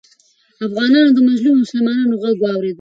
افغانانو د مظلومو مسلمانانو غږ واورېد.